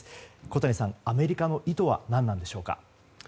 小谷さん、アメリカの意図は何なんでしょうか。